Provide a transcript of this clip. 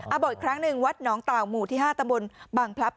บอกอีกครั้งหนึ่งวัดหนองเต่าหมู่ที่๕ตำบลบังพลับ